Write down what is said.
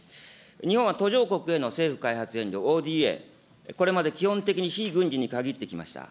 日本は途上国への政府開発援助・ＯＤＡ、これまで基本的に非軍事に限ってきました。